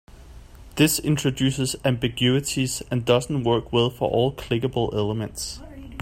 This introduces ambiguities and doesn't work well for all clickable elements.